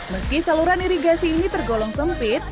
meski saluran irigasi ini tergolong sempit